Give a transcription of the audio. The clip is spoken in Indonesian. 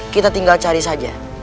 kita tinggal cari saja